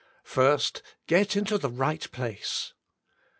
First, Get into the Eight Place.